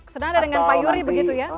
senada dengan pak yuri begitu ya